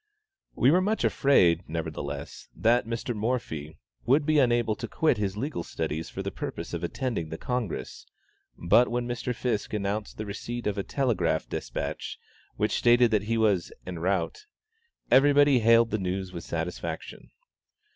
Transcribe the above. We were much afraid, nevertheless, that Mr. Morphy would be unable to quit his legal studies for the purpose of attending the Congress, but when Mr. Fiske announced the receipt of a telegraphic despatch, which stated that he was en route, everybody hailed the news with satisfaction.